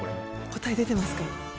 答え出てますか？